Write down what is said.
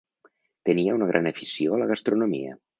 Tenia una gran afició a la gastronomia.